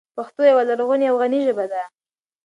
پښتو یوه لرغونې او غني ژبه ده.